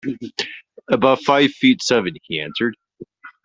"About five feet seven," he answered.